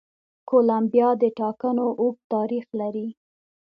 کولمبیا د ټاکنو اوږد تاریخ لري.